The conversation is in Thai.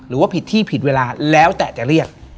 หรือว่าผิดที่ผิดเวลาแล้วแต่จะเรียก